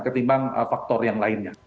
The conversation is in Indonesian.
ketimbang faktor yang lainnya